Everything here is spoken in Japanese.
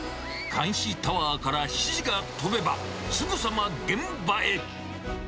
監視タワーから指示が飛べば、すぐさま現場へ。